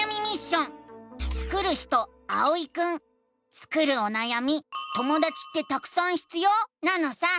スクるおなやみ「ともだちってたくさん必要？」なのさ！